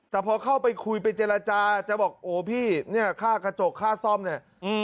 แต่พอเข้าไปคุยไปเจรจาจะบอกโอ้พี่เนี่ยค่ากระจกค่าซ่อมเนี่ย